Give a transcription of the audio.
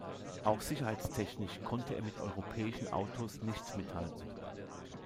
Auch sicherheitstechnisch konnte er mit europäischen Autos nicht mithalten.